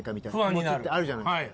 わりとあるじゃないですか。